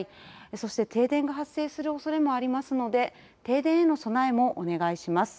そして停電が発生するおそれもありますので停電への備えもお願いします。